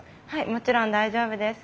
もちろん大丈夫です。